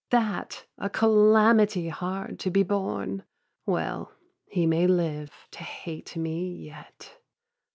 That a calamity hard to be borne? Well, he may live to hate me yet.